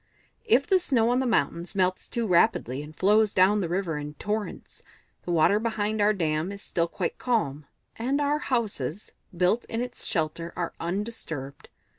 "If the snow on the mountains melts too rapidly, and flows down to the river in torrents, the water behind our dam is still quite calm, and our houses, built in its shelter, are undisturbed.